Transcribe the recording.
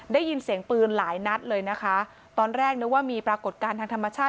ได้ยินเสียงปืนหลายนัดเลยนะคะตอนแรกนึกว่ามีปรากฏการณ์ทางธรรมชาติ